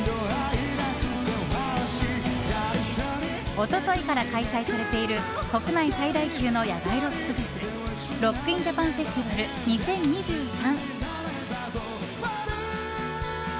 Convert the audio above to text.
一昨日から開催されている国内最大級の野外ロックフェスＲＯＣＫＩＮＪＡＰＡＮＦＥＳＴＩＶＡＬ２０２３。